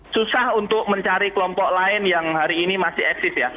susah untuk mencari kelompok lain yang hari ini masih eksis ya